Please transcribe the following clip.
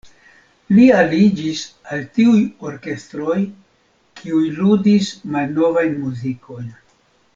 Li aliĝis al tiuj orkestroj, kiuj ludis malnovajn muzikojn.